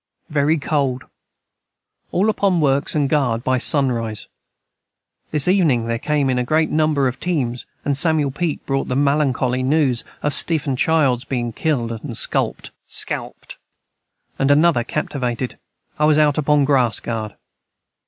Very cold all upon works & guard by son rise this evening their came in a great number of teams & Samuel Peak Brought the malancoly news of Stephen Childs being Kilde and skulpt and another Captivated I was out upon the grass guard.